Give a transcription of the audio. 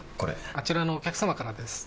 あちらのお客様からです。